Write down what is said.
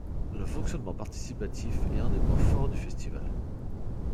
Le fonctionnement participatif est un des points forts du festival.